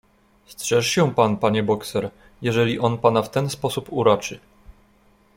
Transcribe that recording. "Strzeż się pan, panie bokser, jeżeli on pana w ten sposób uraczy."